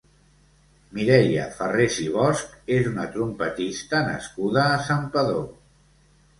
Mireia Farrés i Bosch és una trompetista nascuda a Santpedor.